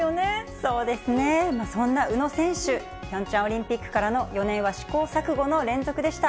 そうですね、そんな宇野選手、ピョンチャンオリンピックからの４年は試行錯誤の連続でした。